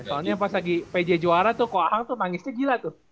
soalnya pas lagi pj juara tuh kok aang tuh nangisnya gila tuh